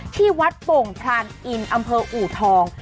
ที่วัดโป่งพรานอินอำเภออูทอง